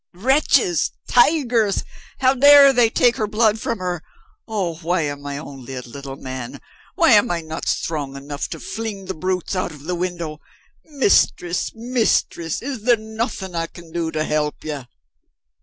"Wretches! Tigers! How dare they take her blood from her! Oh, why am I only a little man? why am I not strong enough to fling the brutes out of the window? Mistress! Mistress! is there nothing I can do to help you?"